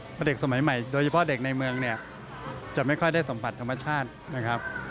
เพราะเด็กสมัยใหม่โดยเฉพาะเด็กในเมืองเนี่ยจะไม่ค่อยได้สัมผัสธรรมชาตินะครับ